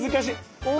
お！